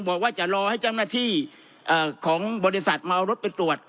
บอกว่าจะรอให้เจ้าหน้าที่ของบริษัทมาเอารถไปตรวจ